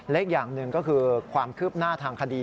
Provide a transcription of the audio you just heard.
อีกอย่างหนึ่งก็คือความคืบหน้าทางคดี